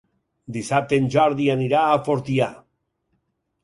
Dissabte en Jordi anirà a Fortià.